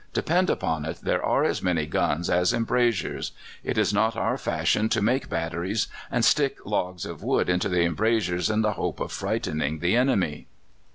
Depend upon it, there are as many guns as embrasures. It is not our fashion to make batteries and stick logs of wood into the embrasures in the hope of frightening the enemy."